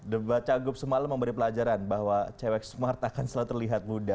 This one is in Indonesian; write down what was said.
debat cagup semalam memberi pelajaran bahwa cewek smart akan selalu terlihat muda